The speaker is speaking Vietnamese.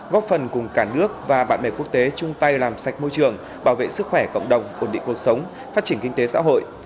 góp phần cùng cả nước và bạn bè quốc tế chung tay làm sạch môi trường bảo vệ sức khỏe cộng đồng ổn định cuộc sống phát triển kinh tế xã hội